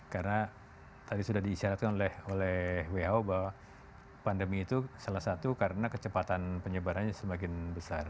karena tadi sudah diisyaratkan oleh who bahwa pandemi itu salah satu karena kecepatan penyebarannya semakin besar